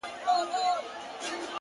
د غيږي د خوشبو وږم له مياشتو حيسيږي ـ